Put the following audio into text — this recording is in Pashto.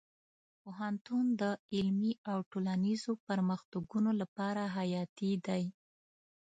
پوهنتون د علمي او ټولنیزو پرمختګونو لپاره حیاتي دی.